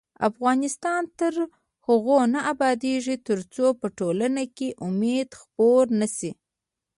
افغانستان تر هغو نه ابادیږي، ترڅو په ټولنه کې امید خپور نشي.